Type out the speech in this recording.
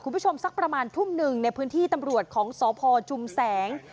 สักประมาณทุ่มหนึ่งในพื้นที่ตำรวจของสพชุมแสง